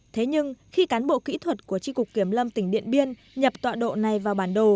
thế nhưng khi cán bộ kỹ thuật của tri cục kiểm lâm tỉnh điện biên nhập tọa độ này vào bản đồ